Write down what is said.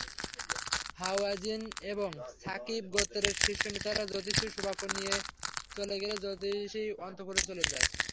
হাওয়াযিন এবং ছাকীফ গোত্রের শীর্ষনেতারা জ্যোতিষীর সুবাক্য নিয়ে চলে গেলে জ্যোতিষী অন্তপুরে চলে যায়।